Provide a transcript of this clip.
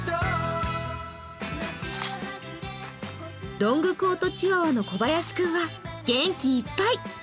ロングコートチワワの小林くんは元気いっぱい。